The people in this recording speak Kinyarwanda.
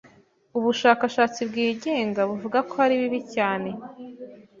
Ubushakashatsi bwigenga buvuga ko ari bibi cyane